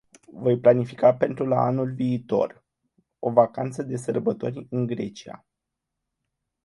Voi planifica pentru la anul viitor o vacanță de sărbători în Grecia.